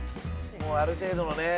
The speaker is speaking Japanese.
もうある程度のね。